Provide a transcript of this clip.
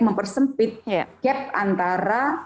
mempersempit gap antara